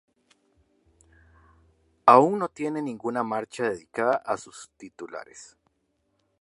Aún no tienen ninguna marcha dedicada a sus titulares.